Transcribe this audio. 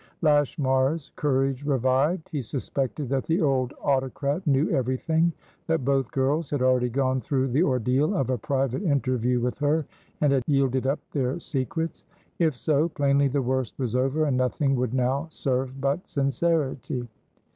Lashmar's courage revived. He suspected that the old autocrat knew everything, that both girls had already gone through the ordeal of a private interview with her, and had yielded up their secrets. If so, plainly the worst was over, and nothing would now serve but sincerity.